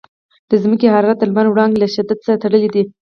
د ځمکې حرارت د لمر د وړانګو له شدت سره تړلی دی.